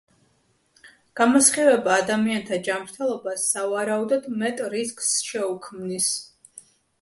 გამოსხივება ადამიანთა ჯანმრთელობას, სავარაუდოდ მეტ რისკს შეუქმნის.